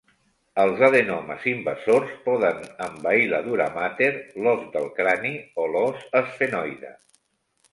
Els adenomes invasors poden envair la duramàter, l'os del crani o l'os esfenoide.